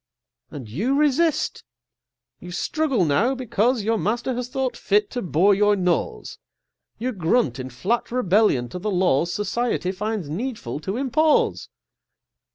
And you resist! you struggle now because Your master has thought fit to bore your nose! You grunt in flat rebellion to the laws Society finds needful to impose!